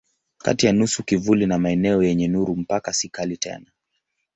Kati ya nusu kivuli na maeneo yenye nuru mpaka si kali tena.